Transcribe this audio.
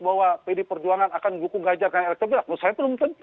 bahwa pdip perjuangan akan menggugungkan elektronik